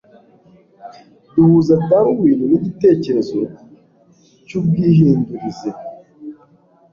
Duhuza Darwin nigitekerezo cyubwihindurize.